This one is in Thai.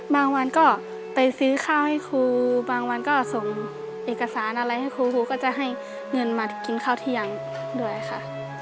บางวันก็ไปซื้อข้าวให้ครูบางวันก็ส่งเอกสารอะไรให้ครูครูก็จะให้เงินมากินข้าวเที่ยงด้วยค่ะ